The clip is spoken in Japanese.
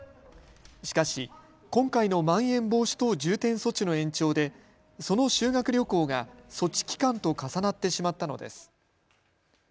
しかし今回のまん延防止等重点措置の延長でその修学旅行が措置期間と重なってしまったのです。